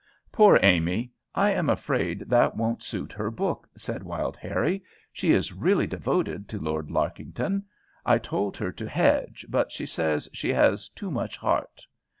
"Poor Amy! I am afraid that won't suit her book," said Wild Harrie. "She is really devoted to Lord Larkington. I told her to hedge, but she says she has too much heart.